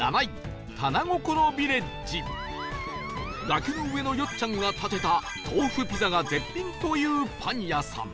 崖の上のよっちゃんが建てた豆腐ピザが絶品というパン屋さん